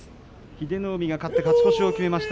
英乃海が勝って勝ち越しを決めました